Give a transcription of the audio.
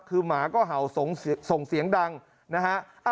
คือหมาก็เห่าส่งเสียงดังนะฮะ